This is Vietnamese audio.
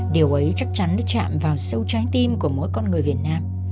điều ấy chắc chắn nó chạm vào sâu trái tim của mỗi con người việt nam